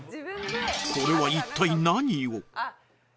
これは一体何を？